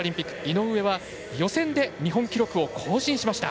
井上は予選で日本記録を更新しました。